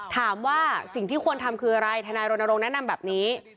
ถามว่าสิ่งที่ควรทำคืออะไรทนายรณรงค์แนะนำแบบนี้